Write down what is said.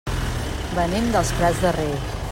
Venim dels Prats de Rei.